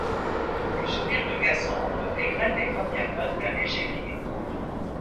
Le sourire de Cassandre égraine les premières notes d’un léger rire.